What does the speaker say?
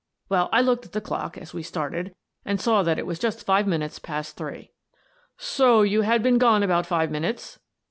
Well, I looked at the clock as we started and saw that it was just five minutes past three." " So you had been gone about five minutes?